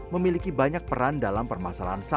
memiliki banyak peran dalam permasalahan kopi di jepang